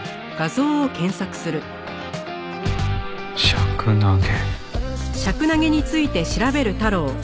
シャクナゲ。